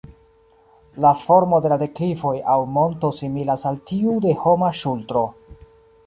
La formo de la deklivoj aŭ monto similas al tiu de homa ŝultro.